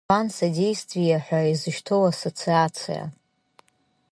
Инва-Содеиствие ҳәа изышьҭоу ассоциациа…